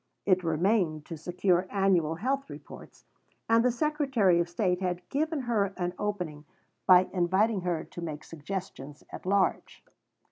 It remained to secure Annual Health Reports; and the Secretary of State had given her an opening by inviting her to make suggestions at large.